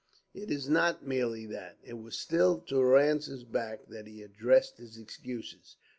"It is not merely that." It was still to Durrance's back that he addressed his excuses.